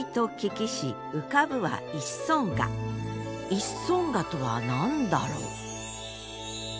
「一村画」とは何だろう？